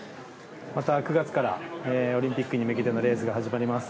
また９月からオリンピックに向けてのレースが始まります。